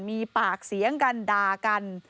มีปากเสียงกันด่ากัน